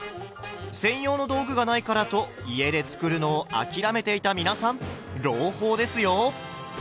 専用の道具がないからと家で作るのを諦めていた皆さん朗報ですよ！